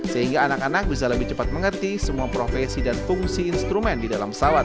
sehingga anak anak bisa lebih cepat mengerti semua profesi dan fungsi instrumen di dalam pesawat